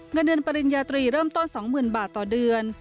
เงินเดือนปริญญาตรีเริ่มต้น๒๐๐๐บาทต่อเดือน